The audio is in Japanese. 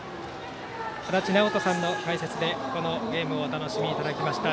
足達尚人さんの解説でこのゲームをお楽しみいただきました。